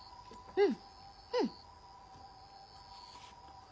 うん！